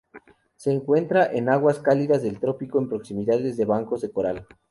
Se encuentra en aguas cálidas del trópico, en proximidades de bancos de coral.